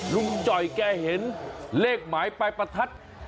ลุงจอยแกเห็นเลขหมายไปประทัด